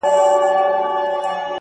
o زارۍ ـ